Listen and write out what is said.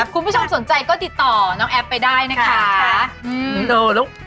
คุณผู้ชมสนใจก็ติดต่อน้องแอฟไปได้นะคะ